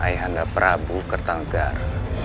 ayah anda prabu kertanggar